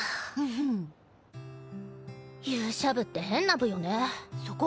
勇者部って変な部よね